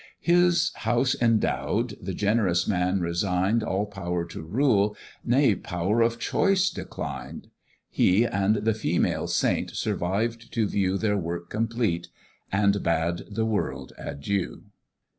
His house endow'd, the generous man resign'd All power to rule, nay power of choice declined; He and the female saint survived to view Their work complete, and bade the world adieu!